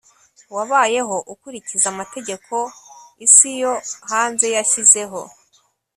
wabayeho ukurikiza amategeko isi yo hanze yashyizeho